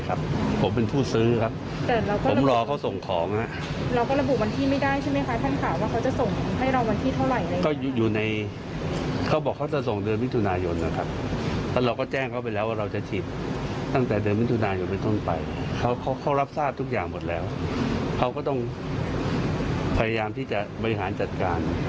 เขาก็ต้องพยายามที่จะบริหารจัดการ